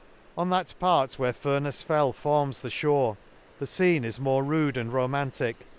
— On that part where Furnefs Fell forms the fhore, the fcene is more rude and romaa* tic.